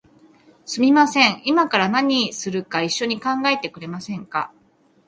すみません、いまから何するか一緒に考えてくれませんか？